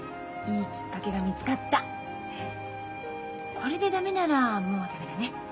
これで駄目ならもう駄目だね。